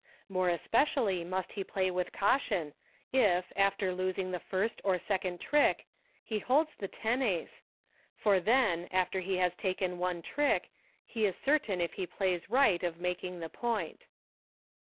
More especially must he play with caution, if, after losing the first or second trick, he holds the tenace, for then, after he has taken one trick, he is cer tain, if he plays right, of making the point.